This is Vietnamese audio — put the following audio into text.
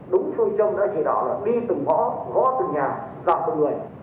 đúng phương châm đã chỉ đoán là đi từng mõ gó từng nhà dạo từng người